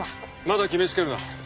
まだ決めつけるな。